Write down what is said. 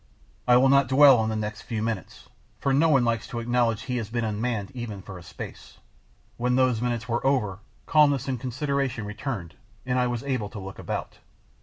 I will not dwell on the next few minutes, for no one likes to acknowledge that he has been unmanned even for a space. When those minutes were over calmness and consideration returned, and I was able to look about.